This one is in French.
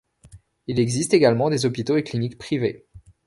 Il existe également des hôpitaux et cliniques privés.